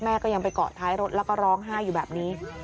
ก็ยังไปเกาะท้ายรถแล้วก็ร้องไห้อยู่แบบนี้